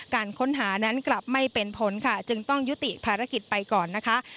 การค้นหานั้นกลับไม่เป็นผลค่ะจึงต้องยุติภารกิจไปก่อนนะคะ